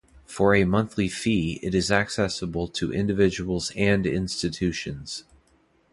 For a monthly fee, it is accessible to individuals and institutions.